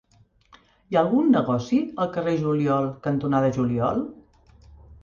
Hi ha algun negoci al carrer Juliol cantonada Juliol?